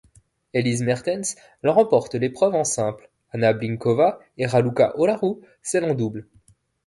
Elise Mertens remporte l'épreuve en simple, Anna Blinkova et Raluca Olaru celle en double.